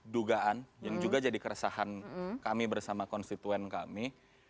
dugaan yang juga jadi keresahan kami bersama konstituen kami